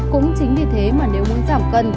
cũng chính vì thế mà nếu muốn giảm cân